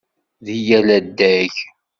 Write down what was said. Deg yal adeg?